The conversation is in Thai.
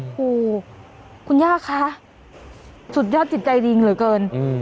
โอ้โหคุณย่าคะสุดยอดจิตใจดีเหลือเกินอืม